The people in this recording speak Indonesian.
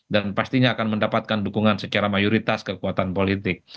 dan pastinya akan mendapatkan dukungan secara mayoritas kekuatan politik